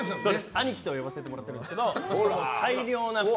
兄貴と呼ばせてもらってるんですけど大量の服。